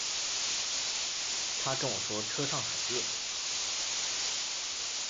她跟我说车上很热